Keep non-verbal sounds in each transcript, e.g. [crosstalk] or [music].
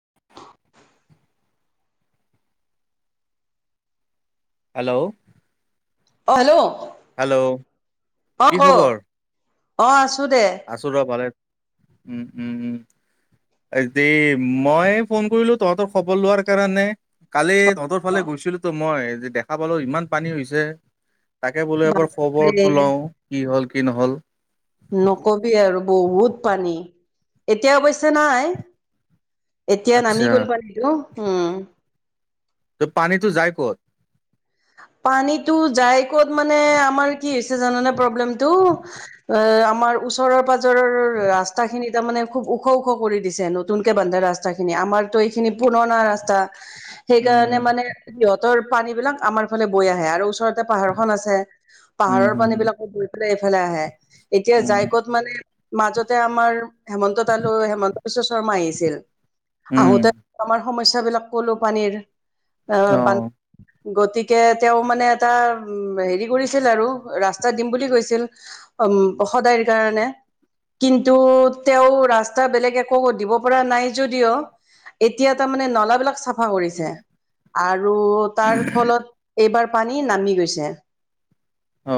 [inaudible] Hello, অ, hello, hello অ, কি ক' অ, আছো দে। আছোঁ ৰ ভালে উম -উম -উম এই দে। মই ফোন কৰিলোঁ তহঁতৰ খবৰ লোৱাৰ কাৰণে। কালি তহঁতৰ অ ফালে গৈছিলো তো মই যে দেখা পালো ইমান পানী হৈছে। তাকে বোলে এবাৰ বাপৰে খবৰটো লওঁ কি হ'ল কি নহ'ল। নকবি আৰু বহুত পানী। এতিয়া অৱশ্যে নাই। এতিয়া নামি আচ্ছা। গল পানীতো। ত' পানীতো যায় ক'ত? পানীতো যায় ক'ত মানে আমাৰ কি হৈছে জানানে প্ৰব্লেমটো? অ আমাৰ ওচৰ ৰৰ পাজৰৰ ৰাস্তাখিনিত তাৰ মানে খুব ওখ-ওখ কৰি দিছে নতুনকে বান্ধা ৰাস্তাখিনি আমাৰতো এইখিনি পুৰণা ৰাস্তা। সেই কাৰণে উম, মানে সিহঁতৰ পানীবিলাক আমাৰ ফালে বৈ আহে আৰু ওচৰত তে পাহাৰ খন আছে উম, পাহাৰৰ পানী উম, বিলাকো বৈ পেলাই এইফালে আহে। এতিয়া যাইকত মানে মাজতে আমাৰ হেমন্ত তালৈ হেমন্ত বিশ্ব শৰ্মা আহিছিল উম, আহোতে আমাৰ সমস্যাবিলাক কলো পানীৰ। অ বান গতি কে তেওঁ মানে এটা উম হেৰি কৰিছিল আৰু ৰাস্তা দিম বুলি কৈছিল। অম সদায়ৰ কাৰণে। কিন্তু তেওঁ ৰাস্তা বেলেগ একো দিব পৰা নাই যদিও এতিয়া তামানে নলাবিলাক চাফা কৰিছে। আৰু তাৰ ফলত এইবাৰ পানী নামি গৈছে। অ।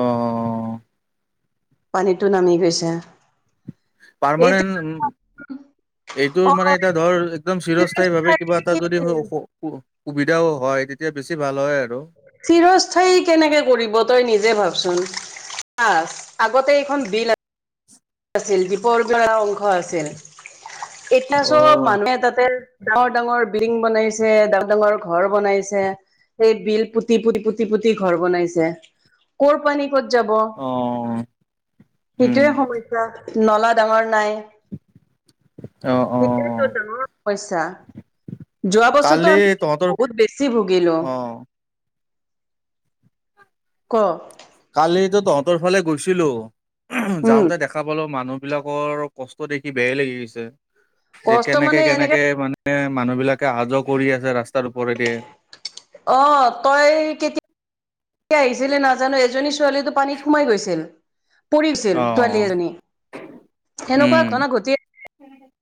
পানীটো নামি গৈছে। এতিয়া পাৰমানেণ্ট উম এইটোৰ অ মানে এটা ধৰ একদম চিৰস্থায়ী ভাৱে কিবা এটা যদি হয় উ স সু সুবিধাও হয় তেতিয়া বেছি ভাল হয় আৰু। চিৰস্থায়ী কেনেকে কৰিব তই নিজে ভাবচোন। চা আগতে এইখন বিল আ আছিল দিপৰবিলৰ এটা অংশ আছিল, এতিয়া চব অ'। মানুহে তাতে ডাঙৰ-ডাঙৰ বিং বনাইছে ডাঙৰ-ডাঙৰ ঘৰ বনাইছে। এই বিল পুতি পু পুতি পুতি ঘৰ বনাইছে, কৰ পানী কত যাব? অ', সেইটোৱে উম, সমস্যা নলা ডাঙৰ নাই। অ', সেইটোৱেইটো অ', ডাঙৰ সমস্যা। যোৱা কালি বছৰটো আমি তহঁতৰ বহুত বেছি ভুগিলো। অ', ক। কালিতো তহঁতৰ ফালে গৈছিলো উম যাওঁতে দেখা পালো মানুহ বিলাকৰ কষ্ট দেখি বেয়াই লাগি গৈছে। যে কষ্ট মানে কেনেকে এনেকে কেনেকে মানে মানুহ বিলাকে আহা যোৱা কৰি আছে ৰাস্তাৰ ওপৰেদি। অ তই কেতি য়া আহিছিলি নাজানো এজনী ছোৱালীটো পানীত সোমাই গৈছিল। পৰিছিল ছোৱালী অ', এজনী। সেনেকুৱা উম, ঘটনা ঘটিয়ে [inaudible]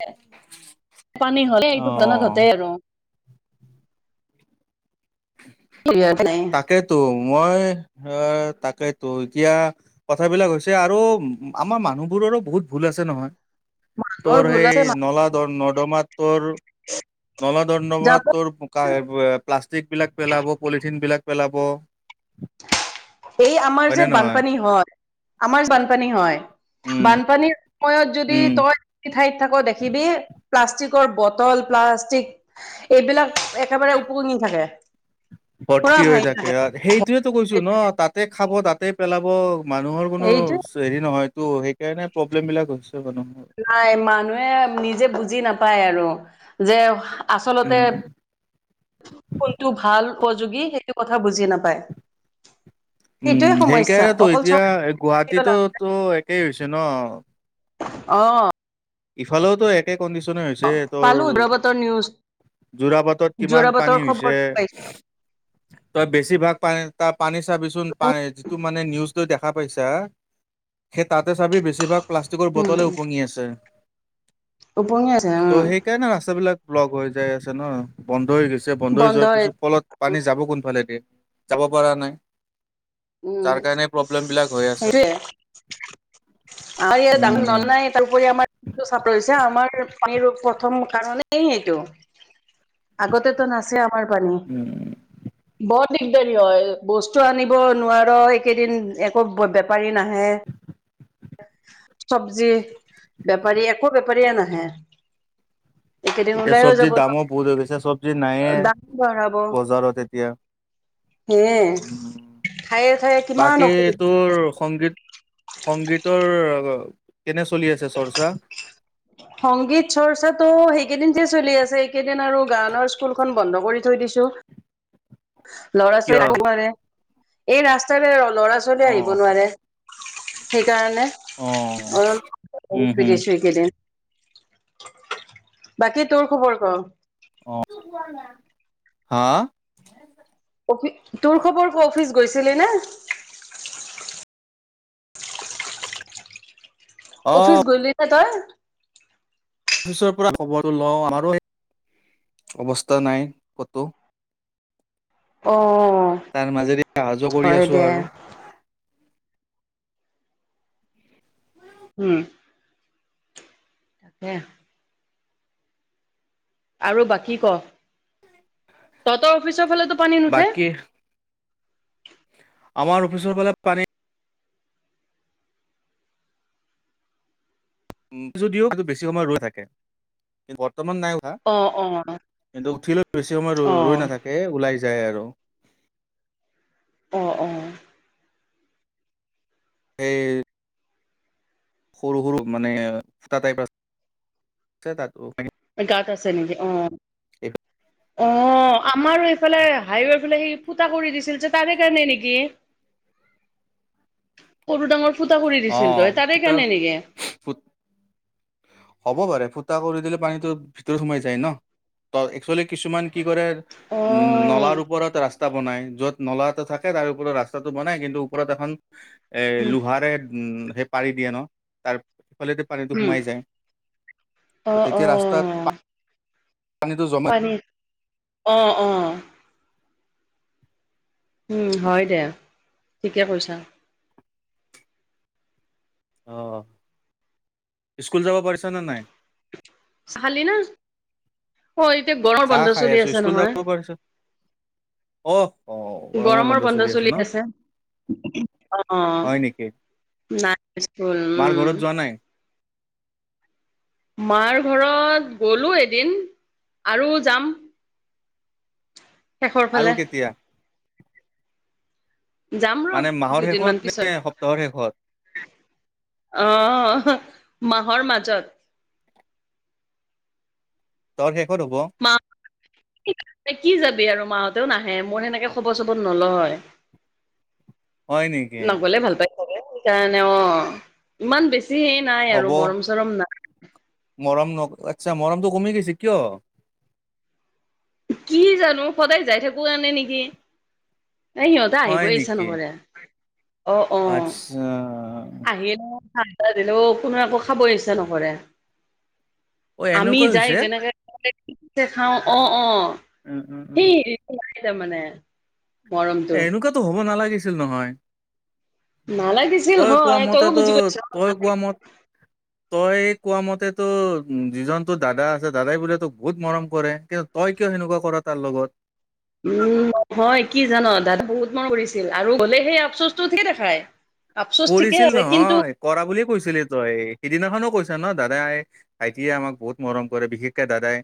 [unintelligible] পানী হলে এইটো ঘটনা অ', ঘটেই আৰু। [inaudible] [unintelligible] তাকেতো মই আ তাকেইতো এতিয়া কথাবিলাক হৈছে আৰু আমাৰ মানুহবোৰৰো বহুত ভুল আছে নহয়। বৰ তোৰ ভুল আছে সেই নলা দৰ নৰ্দমাত তোৰ নলাদন্ৰৰ্মাত জাপান তোৰ কা এই প্লাষ্টিক বিলাক পেলাব পলিথিন বিলাক পেলাব। এই আমাৰ যে হয়নে নহয় বানপানী হয়, আমাৰ যে বানপানী হয়। উম বানপানীৰ সময়ত যদি উম তই সেই ঠাইত থাক দেখিবি প্লাষ্টিকৰ বটল, প্লাষ্টিক এইবিলাক একেবাৰে উপঙি থাকে। পুৰা ভৰ্তি হৈ ভাহি থাকে, অ সেইটোয়েটো কৈছো ন তাতে খাব তাতে পেলাব মানুহৰ কোনো এইটো হেৰি নহয় তো সেইকাৰণে প্ৰব্লেম বিলাক হৈছে মানুহৰ। নাই মানুহে নিজে বুজি নাপায় আৰু, যে আচলতে উম কোনটো ভাল উপযোগী সেইটো কথা বুজি নাপায়। সেইটোয়ে উম' সমস্যা সেইকাৰণেতো অকল এতিয়া চৰকাৰ গুৱাহাটীতো তো একেই হৈছে ন। অ। ইফালেওতো একে কণ্ডিশনে হৈছে তোৰ। পালো যোৰাবাটৰ নিউজ যোৰাবাটত কিমান যোৰাবাটৰ পানী হৈছে। খবৰটো পাইছো তই বেছি ভাগ পানী তাৰ পানী চাবিচোন, পানী যিটো মানে নিউজটো দেখা পাইছা সেই তাতে চাবি বেছিভাগ প্লাষ্টিকৰ উম বটলে উপঙি আছে। উপঙি আছে। ত' উম সেইকাৰণে ৰাস্তা বিলাক ব্লক হৈ যায় আছে ন, বন্ধ হৈ গৈছে, বন্ধ হৈ যোৱাৰ পিছত ফলত পানী যাব কোনফালে দি? যাব পৰা নাই। উম তাৰ কাৰণে প্ৰব্লেমবিলাক হৈ আছে। সেইটোয়ে আমাৰ ই ডাঙৰ উম নল নাই তাৰপৰি আমাৰ [unintelligible] [unintelligible] আমাৰ পানীৰ প্ৰথম কাৰণেই এইটো আগতেতো নাচে আমাৰ পানী। উম বৰ দিগদাৰি হয়, বস্তু আনিব নোৱাৰ এইকেইদিন, একো বেপাৰী নাহে। চবজি, বেপাৰী একো বেপাৰীয়ে নাহে। [inaudible] এইকেইদিন এতিয়া ওলাইও যাব চবজিৰ দামো বহুত হৈ গৈছে, চবজি নোৱাৰো নাইয়ে দাম বঢ়াব বজাৰত এতিয়া। সেয়ে উম' ঠায়ে ঠায়ে কিমান বাকী অসুবিধা তোৰ সংগীত, সংগীতৰ কেনে চলি আছে চৰ্চা? সংগীত চৰ্চাটো সেইকেইদিন যে চলি আছে, এইকেইদিন আৰু গানৰ স্কুলখন বন্ধ কৰি থৈ দিছোঁ। লৰা কিয় ছোৱালী আহিব [unintelligible] নোৱাৰে। এই ৰাস্তাৰে ল'ৰা-ছোৱালী অ আহিব নোৱাৰে। সেইকাৰণে। অ [unintelligible] অলপ উম ৰেষ্ট হম লৈছোঁ এইকেইদিন। বাকী তোৰ খবৰ ক? অ, হা। অফিচ, তোৰ খবৰ ক অফিচ গৈছিলি নে? অ অফিচ গ'লি নে তই? অফিচৰ পৰা খবৰটো লওঁ, আমাৰো একে অৱস্থা নাই কতো [unintelligible] অ। তাৰ মাজেদি অহা-যোৱা কৰি হয় আছো দে আৰু। উম'। তাকে। আৰু বাকী ক, তহতৰ অফিচৰ ফালেতো পানী নুঠে। বাকী আমাৰ অফিচৰ ফালে পানী। যদিও বেছি সময় ৰৈ নাথাকে, কিন্তু বৰ্তমান নাই। হা, অ অ কিন্তু উঠিলেও বেছি সময় ৰৈ, অ ৰৈ নাথাকে ওলাই যায় আৰু। অ-অ। এই সৰু-সৰু মানে ফুটা টাইপ আছে তাত। গাঁত আছে নেকি অ, অ, আমাৰো এইফালে হাইৱেৰফালে সি ফুটা কৰি দিছিল যে, তাৰে কাৰণে নেকি সৰু- ডাঙৰ। ফুটা কৰি অ দিছিল তই, তাৰে ফুটা কাৰণে নেকি। [inaudible] হ'ব পাৰে। ফুটা কৰি দিলে পানীটো ভিতৰত সোমাই যায় ন, ত একচুৱেলি কিছুমান কি কৰে উম' নলাৰ অ', ওপৰত ৰাস্তা ৰাস্তা বনাই, য'ত নলা এটা থাকে তাৰ ওপৰত ৰাস্তাটো বনাই। কিন্তু ওপৰত এখন এ উম, লোহাৰে উম' সেই পাৰি দিয়ে ন। তাৰ সিফালে দি পানীটো উম, সোমাই যায় ত' অ', তেতিয়া ৰাস্তাত পা পানীত, অ অ। উম হয় দে, ঠিকে কৈছা। অ স্কুল যাব পাৰিছ নে নাই? চাহ খালি না? অ এতিয়া গৰমৰ চাহ বন্ধ খাই চলি আছো আছে স্কুল নহয়। যাব পাৰিছ গৰমৰ বন্ধ চলি আছে। অ, হয় নেকি নাই স্কুল, মাৰ উম। ঘৰত যোৱা নাই মাৰ ঘৰত গ'লো এদিন আৰু যাম। শেষৰ আৰু ফালে। কেতিয়া যাম মানে ৰহ মাহৰ শেষত দুদিনমান নে পিছত। সপ্তাহৰ শেষত অ হ মাহৰ মাজত। তৰ শেষত হ'ব। মা কি যাবি আৰু মাহঁতেও নাহে মোৰ সেনেকে খবৰ চবৰ নলও হয়। হয় নেকি নগলে ভাল পাই চাগে সেইকাৰণে অ ইমান বেছি হেই নাই হ'ব আৰু মৰম চৰম না মৰম নক আচ্ছা মৰমটো কমি গৈছি, কিয়? কি জানো সদায় যাই থাকো কাৰনে নেকি। এই সিহঁতে আহিবই ইচ্ছা নকৰে। অ আচ্ছা। [unintelligible] ঠাণ্ডা দিলেও কোনো একো খাব ইচ্ছা নকৰে। অ আমি এনেকুৱাই যাই হৈছে যেনেকে [unintelligible] খাওঁ, অ অ। উম উম উম সেই হেৰিটো নাই তামানে। এ এনেকুৱাতো হ'ব নালাগিছিল নহয়। নালাগিছিল তই কোৱা হয় তইও মতেতো বুজি পাইছ তই কোৱা মত তই কোৱা মতেতো যিজন তোৰ দাদা আছে দাদাই বোলে তোক বহুত মৰম কৰে। কিন্তু তই কিয় সেনেকুৱা কৰা তাৰ লগত? উম নহয় কি জান' দাদা বহুত মন কৰিছিল আৰু গলে সেই আফচোচটো ঠিকে দেখাই। আফচোচ ঠিকে কৰিছিল আছে কিন্তু নহয় কৰা বুলি কৈছিলি তই সিদিনাখনো কৈছা ন দাদাই ভাইটিয়ে আমাক বহুত মৰম কৰে বিশেষকে দাদাই।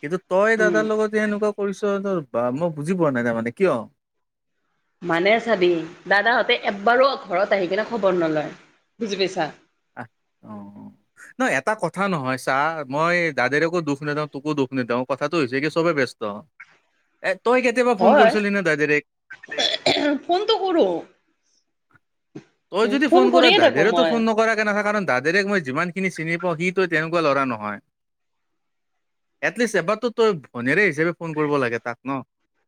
কিন্তু তই উম দাদাৰ লগত যে এনেকুৱা কৰিছ তোৰ বা মই বুজি পোৱা নাই তাৰমানে কিয়? মানে চাবি দাদাহঁতে এব্বাৰো ঘৰত আহি কিনে খবৰ নলয়, বুজি পাইছা? আহ অ, নয় এটা কথা নহয় ছা মই দাদাৰেকো দুখ নেদেওঁ, তোকো দুখ নেদেওঁ কথাটো হৈছে কি চবে ব্যস্ত। এ, তই কেতিয়াবা ফোন হয় কৰিছিলি নে দাদেৰেক? ফোনটো কৰো তই যদি ফোন কৰা কৰিয়ে থাকো দাদেৰেতো মই। ফোন নকৰাক কে নাথাকাৰ কাৰণ দাদেৰেক মই যিমানখিনি চিনি পাওঁ সিটো তেনেকুৱা ল'ৰা নহয়। এটলিষ্ট এবাৰতো তই ভনেৰে হিচাপে ফোন কৰিব লাগে তাক ন।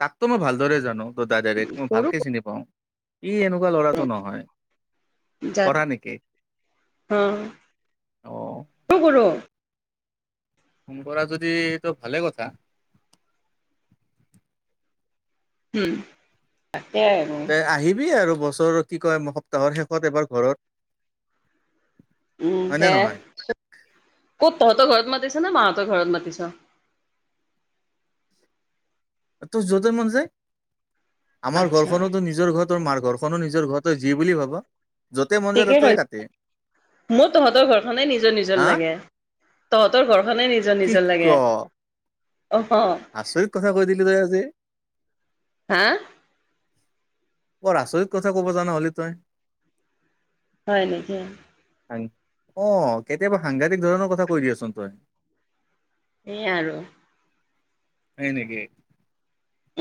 তাকতো মই ভালদৰে জানো তোৰ দাদেৰেক মই কৰো ভালকে চিনি পাওঁ। ই এনেকুৱা ল'ৰাটো নহয়, কৰা নেকি? অ, [unintelligible] অ কৰো। ফোন কৰা যদি এইটো ভালে কথা। উম তাকে [unintelligible] তে আহিবি আৰু বছৰত কি কয় সপ্তাহৰ শেষত এবাৰ ঘৰত। উম হয় নে দে নহয়? ক'ত ঘৰত মাতিছ নে মা হতৰ ঘৰত মাতিছ? তোৰ যতে মন যায়। আমাৰ আচ্ছা ঘৰখনতো নিজৰ ঘৰ। তোৰ মাৰ ঘৰখনো নিজৰ ঘৰ তই যি বুলি ভাবা। [unintelligible] ঠিকে তাতে কৈছ কাটে মোৰ তহঁতৰ ঘৰখনে নিজৰ নিজৰ হা লাগে। তহঁতৰ ঘৰখনে নিজৰ কি নিজৰ ক লাগে অঁহ। আচৰিত কথা কৈ দিলি তই আজি। হা? বৰ আচৰিত কথা ক'ব জান হলি তই। হয় নেকি? অঁ কেতিয়াবা সাংঘাতিক ধৰণৰ কথা কৈ দিয়াচোন তই? এই আৰু হয় নেকি?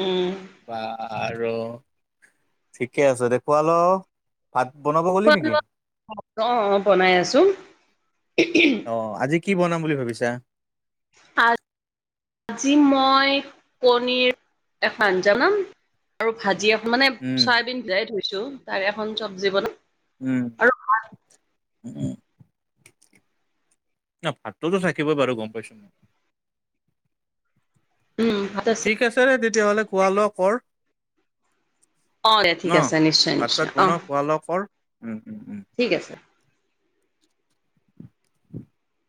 উম বা আৰু ঠিকে আছে দেখুৱাল ভাত বনাব গ'লি খোৱা নেকি? লোৱা অ, অ বনাই আছো। অ, আজি কি বনাম বুলি ভাবিছা? আ আজি মই কনীৰ এখন জনাম, আৰু ভাজি এখন মানে, উম, চয়াবিন দিলাই থৈছোঁ তাৰে এখন চব্জি বনাম। উম। আৰু উ ন ভাততো থাকিবই বাৰু গম পাইছো ন? উম, [unintelligible] ঠিকে আছেৰে তেতিয়াহ'লে ঘোৱা ল কৰ। অ দে ন, ঠিক আছে নিশ্চয় ভাত নিশ্চয় চাত অ বনাওঁ, খোৱা-লোৱা কৰ উম, উম, উম। ঠিক আছে। [unintelligible]